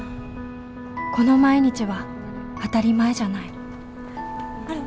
この毎日は当たり前じゃないあれ